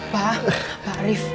pak pak arief